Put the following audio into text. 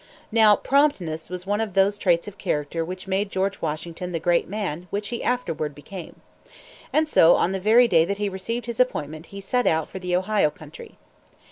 Now, promptness was one of those traits of character which made George Washington the great man which he afterward became. And so, on the very day that he received his appointment he set out for the Ohio Country.